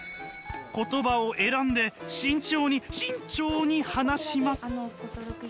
言葉を選んで慎重に慎重に話します。